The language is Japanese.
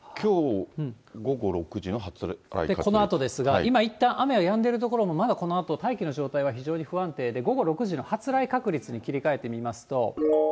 このあとですが、今、いったん雨がやんでいる所もまだこのあと大気の状態が非常に不安定で、午後６時の発雷確率に切り替えてみますと。